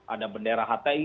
ada bendera hti